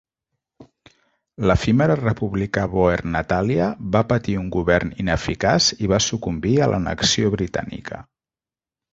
L'efímera república bóer Natalia va patir un govern ineficaç i va sucumbir a l'annexió britànica.